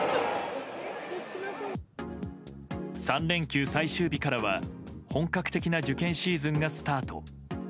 ３連休最終日からは本格的な受験シーズンがスタート。